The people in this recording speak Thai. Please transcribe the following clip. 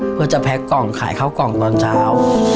เพื่อจะแพ็กกล่องขายข้าวกล่องตอนเช้า